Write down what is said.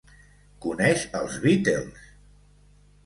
Coneix els Beatles!